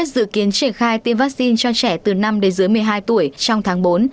dự kiến triển khai tiêm vaccine cho trẻ từ năm đến dưới một mươi hai tuổi trong tháng bốn